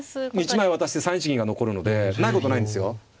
１枚渡して３一銀が残るのでないことないんですよ。